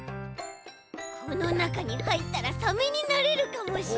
このなかにはいったらサメになれるかもしれない。